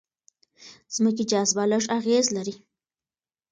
ځمکې جاذبه لږ اغېز لري.